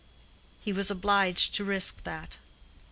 He was obliged to risk that.